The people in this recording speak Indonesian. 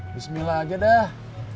bismillah aja dah